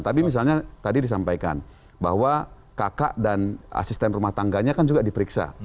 tapi misalnya tadi disampaikan bahwa kakak dan asisten rumah tangganya kan juga diperiksa